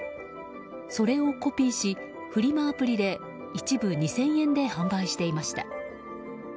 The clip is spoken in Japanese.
それをコピーし、フリマアプリで１部２０００円で販売していました。